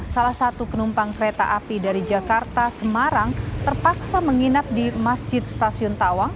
salah satu penumpang kereta api dari jakarta semarang terpaksa menginap di masjid stasiun tawang